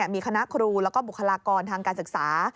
มีคณะครูแล้วก็บุคลากรทางการศึกษา